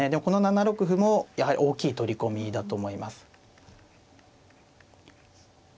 この７六歩もやはり大きい取り込みだと思います。